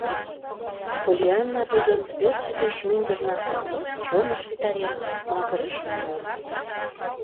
Поллианна тудым пӧртшӧ деч мӱндырнак огыл чоныш витарен магырышым муын.